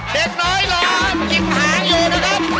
เด็กน้อยรอกิ่งหางอยู่นะครับ